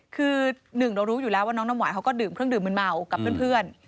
คือหนึ่งเรารู้อยู่แล้วว่าน้องน้ำหวานเขาก็ดื่มเครื่องดื่มมืนเมากับเพื่อน